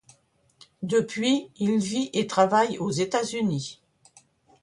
Depuis, il vit et travaille aux États-Unis.